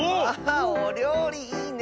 あおりょうりいいね。